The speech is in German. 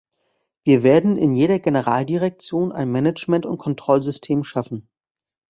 Wir werden in jeder Generaldirektion ein Management- und Kontrollsystem schaffen.